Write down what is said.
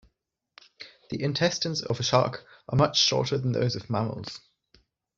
The intestines of a shark are much shorter than those of mammals.